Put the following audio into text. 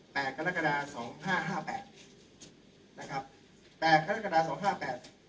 แปลกฆฤษฐาสองห้าห้าแปดนะครับแปลกฆฤษฐาสองห้าแปด